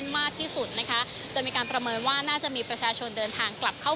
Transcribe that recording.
มากที่สุดนะคะโดยมีการประเมินว่าน่าจะมีประชาชนเดินทางกลับเข้า